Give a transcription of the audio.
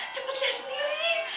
cepet lihat sendiri